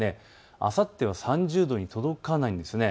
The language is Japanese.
あさっては３０度に届かないんです。